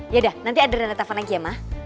yaudah nanti adriana telfon lagi ya ma